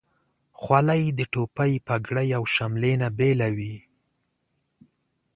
خولۍ د ټوپۍ، پګړۍ، او شملې نه بیله وي.